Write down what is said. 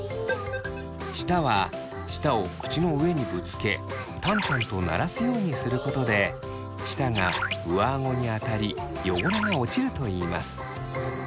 舌は舌を口の上にぶつけタンタンと鳴らすようにすることで舌が上あごに当たり汚れが落ちるといいます。